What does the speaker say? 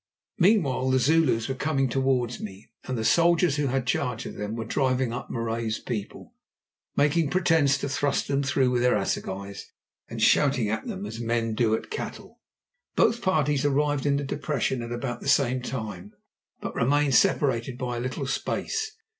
Meanwhile, the Zulus were coming towards me, and the soldiers who had charge of them were driving up Marais's people, making pretence to thrust them through with their assegais, and shouting at them as men do at cattle. Both parties arrived in the depression at about the same time, but remained separated by a little space.